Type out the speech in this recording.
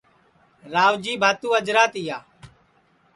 راوجی بھاتُو اجرا تِیا